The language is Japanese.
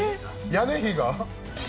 屋根費が？